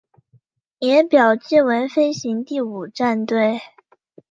也表记为飞行第五战队。